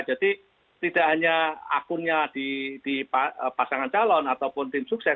jadi tidak hanya akunnya di pasangan calon ataupun tim sukses